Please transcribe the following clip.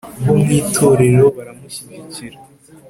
bo mu itorero baramushyigikira